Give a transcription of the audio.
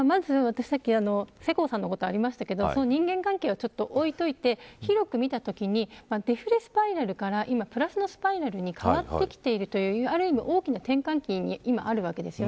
世耕さんの方からありましたが人間関係は多いといって広く見たときにデフレスパイラルから、今プラスのスパイラルに変わってきているというある意味、大きな転換期に今、あるわけです。